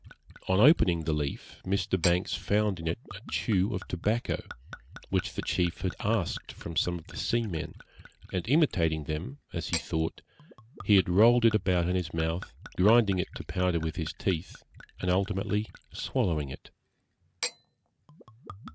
On opening the leaf Mr. Banks found in it a chew of tobacco, which the chief had asked from some of the seamen, and imitating them, as he thought, he had rolled it about in his mouth, grinding it to powder with his teeth, and ultimately swallowing it.